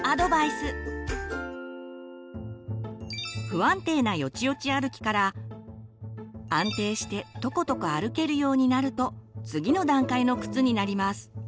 不安定なよちよち歩きから安定してとことこ歩けるようになると次の段階の靴になります。